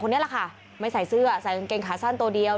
นี่แหละค่ะไม่ใส่เสื้อใส่กางเกงขาสั้นตัวเดียว